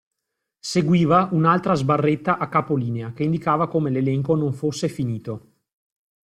Seguiva un'altra sbarretta a capo linea, che indicava come l'elenco non fosse finito.